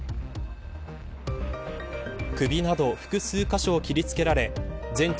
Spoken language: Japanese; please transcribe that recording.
首など複数箇所を切りつけられ全治